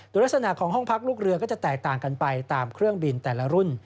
โดยลักษณะของห้องพักลูกเรือก็จะแตกต่างกันไปตามเครื่องบินแต่ละรุ่น